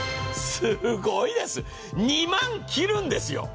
すごいです、２万切るんですよ。